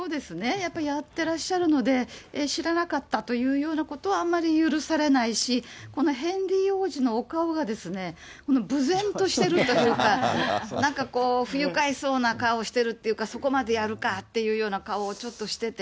やっぱりやってらっしゃるので、知らなかったというようなことは、あんまり許されないし、このヘンリー王子のお顔が、ぶぜんとしてるというか、なんかこう、不愉快そうな顔してるっていうか、そこまでやるかっていうような顔をちょっとしてて。